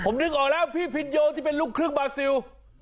ผมนึกออกแล้วพี่พินโยที่เป็นลูกครึ่งบาซิล